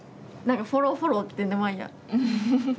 なんかフォローフォローって。